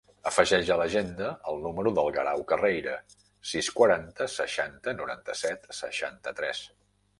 Afegeix a l'agenda el número del Guerau Carreira: sis, quaranta, seixanta, noranta-set, seixanta-tres.